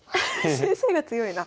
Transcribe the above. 先生が強いな。